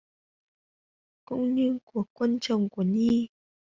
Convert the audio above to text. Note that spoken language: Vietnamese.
Cũng như của quân chồng của Nhi